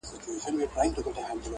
اور او اوبه یې د تیارې او د رڼا لوري